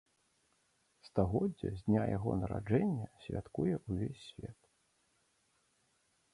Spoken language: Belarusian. Стагоддзе з дня яго нараджэння святкуе ўвесь свет.